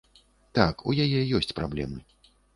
Так, у яе ёсць праблемы.